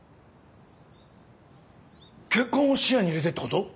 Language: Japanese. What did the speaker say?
結婚を視野に入れてってこと！？